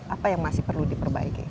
apa yang masih perlu diperbaiki